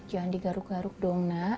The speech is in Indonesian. jangan digaruk garuk dong nak